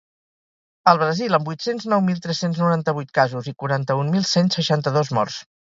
El Brasil, amb vuit-cents nou mil tres-cents noranta-vuit casos i quaranta-un mil cent seixanta-dos morts.